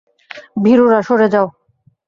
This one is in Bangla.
ভীরুরা, সরে যাও।